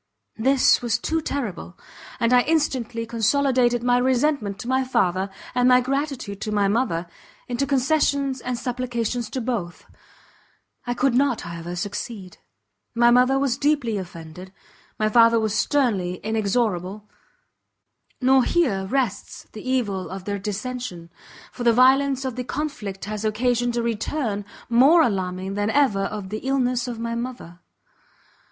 This was too terrible! and I instantly consolidated my resentment to my father, and my gratitude to my mother, into concessions and supplications to both; I could not, however, succeed; my mother was deeply offended, my father was sternly inexorable: nor here rests the evil of their dissention, for the violence of the conflict has occasioned a return more alarming than ever of the illness of my mother.